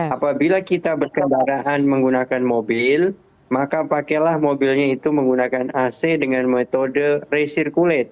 apabila kita berkendaraan menggunakan mobil maka pakailah mobilnya itu menggunakan ac dengan metode racerculete